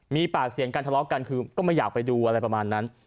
มีปากเสียงกันทะเลาะกันคือก็ไม่อยากไปดูอะไรประมาณนั้น